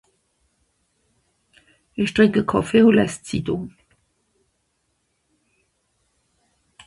Ìch trìnk e Kàffe ùn läs d'Zittùng.